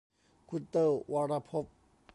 คุณเติ้ล วรภพ